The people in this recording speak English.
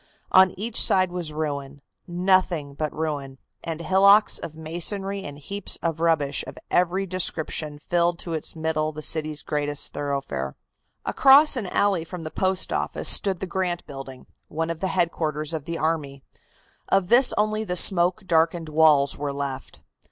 On each side was ruin, nothing but ruin, and hillocks of masonry and heaps of rubbish of every description filled to its middle the city's greatest thoroughfare. Across an alley from the Post Office stood the Grant Building, one of the headquarters of the army. Of this only the smoke darkened walls were left.